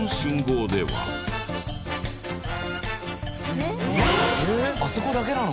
えっあそこだけなの？